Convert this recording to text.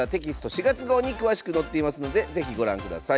４月号に詳しく載っていますので是非ご覧ください。